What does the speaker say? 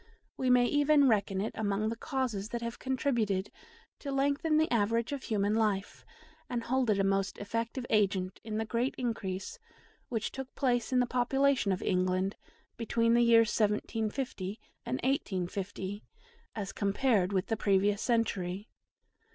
We may even reckon it among the causes that have contributed to lengthen the average of human life, and hold it a most effective agent in the great increase which took place in the population of England between the years 1750 and 1850 as compared with the previous century.